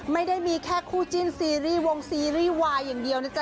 ไม่ได้มีแค่คู่จิ้นซีรีส์วงซีรีส์วายอย่างเดียวนะจ๊